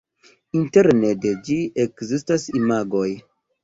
Interne de ĝi ekzistas imagoj.